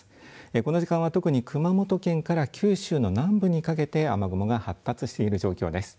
この時間は特に熊本県から九州の南部にかけて雨雲が発達している状況です。